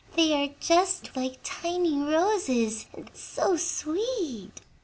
They are just like tiny roses, and so sweet!"